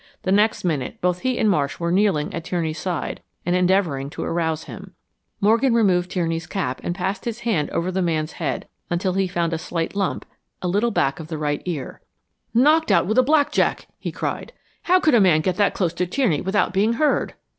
The next minute both he and Marsh were kneeling at Tierney's side and endeavoring to arouse him. Morgan removed Tierney's cap and passed his hand around over the man's head until he found a slight lump, a little back of the right ear. "Knocked out with a black jack!" he cried. "How could a man get that close to Tierney without being heard!"